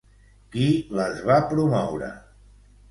Qui les va promoure?